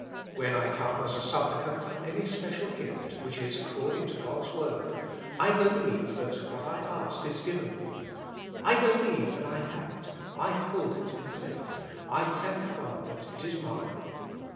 When I come as a supplicant for any special gift, which is according to God's word, I believe that what I ask is given me : I believe that I have it, I hold it in faith ; I thank God that it is mine.